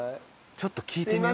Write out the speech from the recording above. ちょっと聞いてみよう。